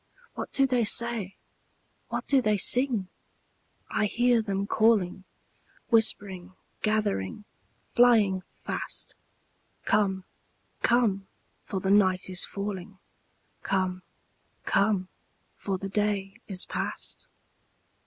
What do they say? What do they sing? I hear them calling, Whispering, gathering, flying fast, 'Come, come, for the night is falling; Come, come, for the day is past!'